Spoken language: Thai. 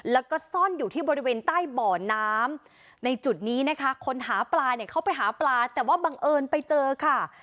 แล้วก็ซ่อนอยู่ที่บริเวณใต้บ่อน้ำในจุดนี้นะคะคนหาปลาเนี่ยเขาไปหาปลาแต่ว่าบังเอิญไปเจอค่ะ